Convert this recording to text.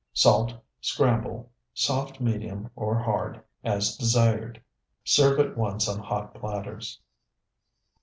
Salt, scramble (soft medium, or hard), as desired. Serve at once on hot platters.